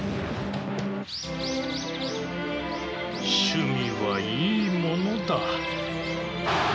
趣味はいいものだ。